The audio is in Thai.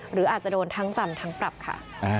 หรืออาจจะโดนทั้งจำทั้งปรับค่ะ